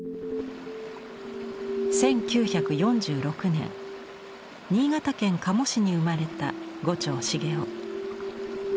１９４６年新潟県加茂市に生まれた牛腸茂雄。